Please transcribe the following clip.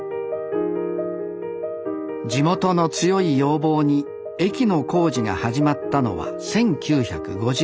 地元の強い要望に駅の工事が始まったのは１９５９年。